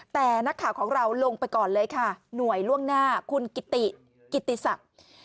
แต่นักข่าวของเราลงไปก่อนเลยค่ะหน่วยล่วงหน้าคุณกิติกิติศักดิ์